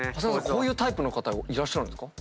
こういうタイプの方いらっしゃるんですか？